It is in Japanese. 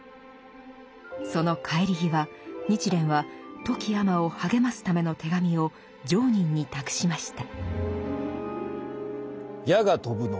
その帰り際日蓮は富木尼を励ますための手紙を常忍に託しました。